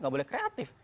gak boleh kreatif